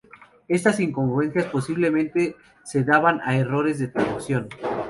Estas incongruencias posiblemente se deban a errores de traducción.